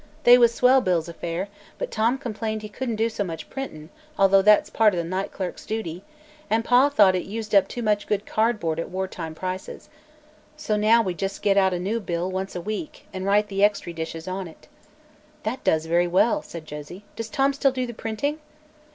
They was swell bills of fare, but Tom claimed he couldn't do so much printin', although that's part o' the night clerk's duty, an' Pa thought it used up too much good cardboard at war time prices. So now we jus' get out a new bill once a week, an' write the extry dishes on it." "That does very well," said Josie. "Does Tom still do the printing?"